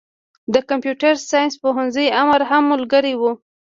د کمپيوټر ساينس پوهنځي امر هم ملګری و.